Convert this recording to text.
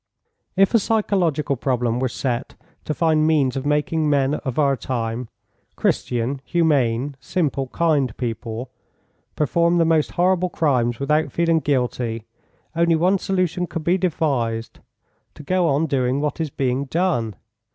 "If a psychological problem were set to find means of making men of our time Christian, humane, simple, kind people perform the most horrible crimes without feeling guilty, only one solution could be devised: to go on doing what is being done.